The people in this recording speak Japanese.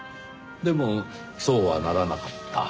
でもそうはならなかった。